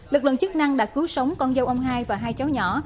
lực lượng chức năng đã cứu sống con dâu ông hai và hai cháu nhỏ